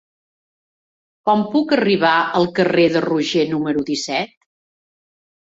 Com puc arribar al carrer de Roger número disset?